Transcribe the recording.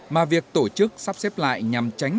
mà việc tổ chức sắp xếp lại nhằm tránh